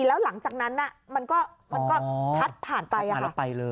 แล้วหลังจากนั้นมันก็พัดผ่านไปเลย